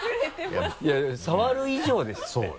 いやいや触る以上ですって。